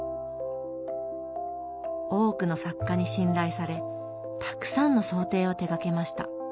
多くの作家に信頼されたくさんの装丁を手がけました。